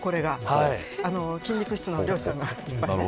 筋肉質の漁師さんがかっこいいのよ。